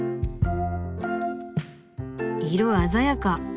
色鮮やか！